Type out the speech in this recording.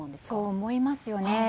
そう思いますよね。